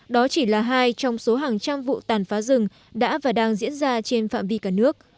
đó chỉ là hai trong số hàng trăm vụ tàn phá rừng đã và đang diễn ra trên phạm vi cả nước